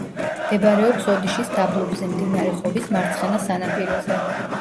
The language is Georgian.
მდებარეობს ოდიშის დაბლობზე, მდინარე ხობის მარცხენა სანაპიროზე.